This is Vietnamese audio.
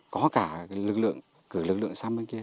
có cả lực lượng cử lực lượng sang bên kia